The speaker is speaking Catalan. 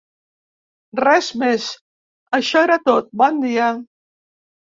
Res més, això era tot, bon dia.